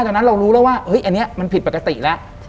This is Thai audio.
ตอนนั้นเรารู้แล้วว่าอันนี้มันผิดปกติแล้ว